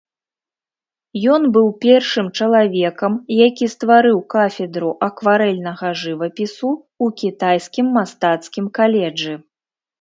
Ён быў першым чалавекам, які стварыў кафедру акварэльнага жывапісу ў кітайскім мастацкім каледжы.